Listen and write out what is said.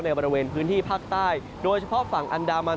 บริเวณพื้นที่ภาคใต้โดยเฉพาะฝั่งอันดามัน